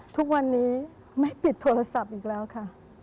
ทุกวันนี้ไม่ปิดโทรศัพท์อีกแล้วค่ะ